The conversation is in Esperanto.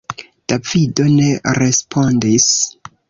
Davido ne respondis.